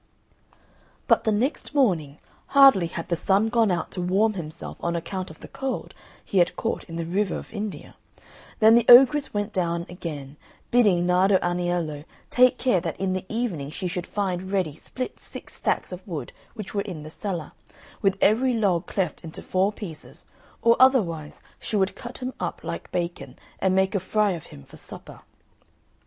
But the next morning, hardly had the Sun gone out to warm himself on account of the cold he had caught in the river of India, than the ogress went down again, bidding Nardo Aniello take care that in the evening she should find ready split six stacks of wood which were in the cellar, with every log cleft into four pieces, or otherwise she would cut him up like bacon and make a fry of him for supper.